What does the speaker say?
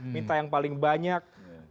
minta yang paling banyak